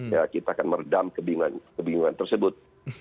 ya kita akan meredam kebingungan tersebut